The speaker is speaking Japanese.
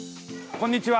こんにちは。